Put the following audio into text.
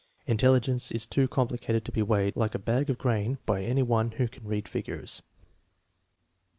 Intelligence is too complicated to be weighed, like a bag of grain, by any one who can read figures.